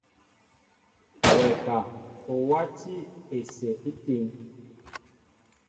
Wɛ ka, o wátī esew étíŋ ?